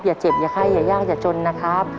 อย่าเจ็บอย่าไข้อย่ายากอย่าจนนะครับ